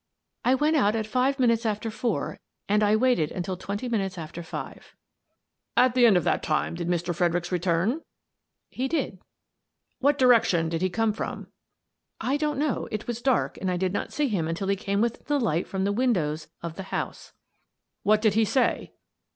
" "I went out at five minutes after four and I waited until twenty minutes after five." "At the end of that time did Mr. Fredericks return?" " He did." "What direction did he come from?" " I don't know ; it was dark and I did not see him until he came within the light from the win dows of the house." "What did he say?"